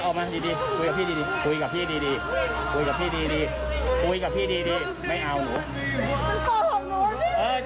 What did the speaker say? เออไอ้เรื่องโกหกอ่ะพี่รู้เดี๋ยวคุย